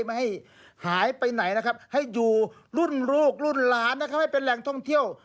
ไม่ให้หายไปไหนให้อยู่รุ่นลูกรุ่นล้านให้เป็นแหล่งท่องเที่ยว